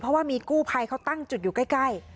เพราะว่ามีกู้ภัยเขาตั้งจุดอยู่ใกล้